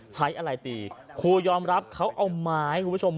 ใช้อะไรตีครูยอมรับเขาเอาไม้คุณผู้ชม